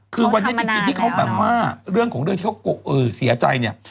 คือวันนี้จริงที่เขาแบบว่าเรื่องของเรื่องที่เขาเสียใจเนี่ย